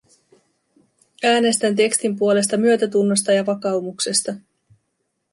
Äänestän tekstin puolesta myötätunnosta ja vakaumuksesta.